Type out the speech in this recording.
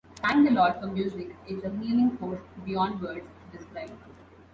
Thank the Lord for music; it's a healing force beyond words to describe.